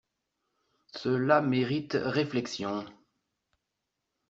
Cela mérite réflexion.